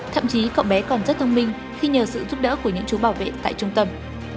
thậm chí cậu bé còn rất thông minh khi nhờ sự giúp đỡ của những chú bảo vệ tại trung tâm